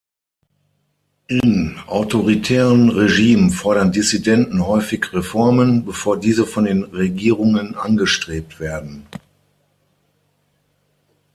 In autoritären Regimen fordern Dissidenten häufig Reformen, bevor diese von den Regierungen angestrebt werden.